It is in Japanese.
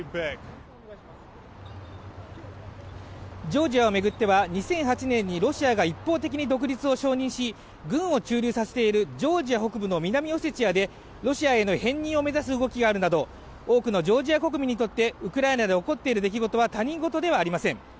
ジョージアを巡っては、２００８年にロシアが一方的に独立を承認し軍を駐留させているジョージア北部の南オセチアでロシアへの編入を目指す動きがあるなど多くのジョージア国民にとってウクライナで起こっている出来事は他人事ではありません。